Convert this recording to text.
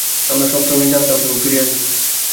আমরা সবসময়ই জানতাম তুমি ফিরে আসবে।